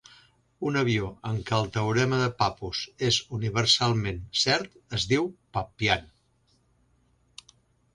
Un avió en què el teorema de Pappus és universalment cert es diu "Pappian".